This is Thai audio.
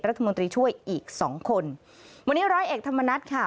รัฐมนตรีช่วยอีกสองคนวันนี้ร้อยเอกธรรมนัฐค่ะ